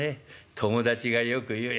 友達がよく言うよ